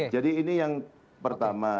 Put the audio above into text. jadi ini yang pertama